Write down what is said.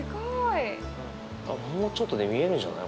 あっもうちょっとで見えるんじゃない？